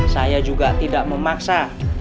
saya juga tidak memaksa